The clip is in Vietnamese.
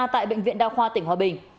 tại bệnh viện đa khoa tỉnh hòa bình